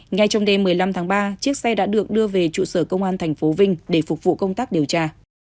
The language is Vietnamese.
ngay trong đêm một mươi năm tháng ba chiếc xe đã được đưa về trụ sở công an tp vinh để phục vụ công tác điều tra